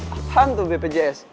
apaan tuh bpjs